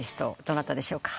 どなたでしょうか？